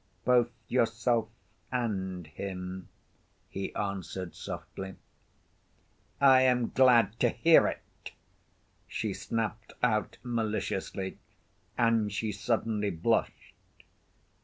"Both yourself and him," he answered softly. "I am glad to hear it," she snapped out maliciously, and she suddenly blushed.